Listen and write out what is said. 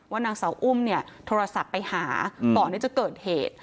นางเสาอุ้มเนี่ยโทรศัพท์ไปหาก่อนที่จะเกิดเหตุ